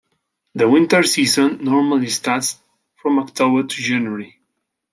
The winter season normally starts from October to January.